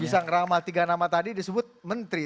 bisa ngeramal tiga nama tadi disebut menteri